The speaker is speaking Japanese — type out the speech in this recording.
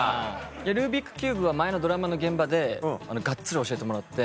ルービックキューブは前のドラマの現場でがっつり教えてもらって。